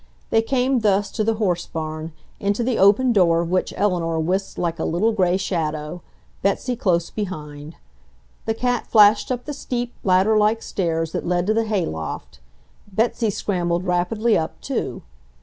They came thus to the horse barn, into the open door of which Eleanor whisked like a little gray shadow, Betsy close behind. The cat flashed up the steep, ladder like stairs that led to the hay loft. Betsy scrambled rapidly up, too.